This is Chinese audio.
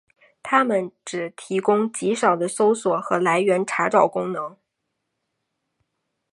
它们只提供极少的搜索和来源查找功能。